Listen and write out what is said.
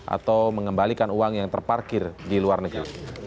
atau mengembalikan uang yang terparkir di luar negeri